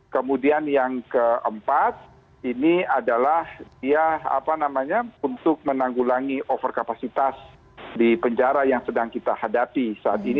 kemudian yang keempat ini adalah dia apa namanya untuk menanggulangi overkapasitas di penjara yang sedang kita hadapi saat ini